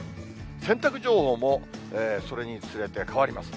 洗濯情報もそれにつれて変わります。